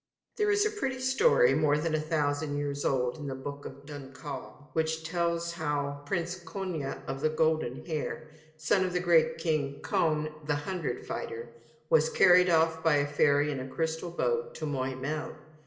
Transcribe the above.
There is a pretty story, more than a thousand years old, in the Book of the Dun Cow, which tells how Prince Connla of the Golden Hair, son of the great king Conn the Hundred Fighter, was carried off by a fairy in a crystal boat to Moy Mell.